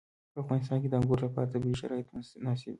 په افغانستان کې د انګور لپاره طبیعي شرایط مناسب دي.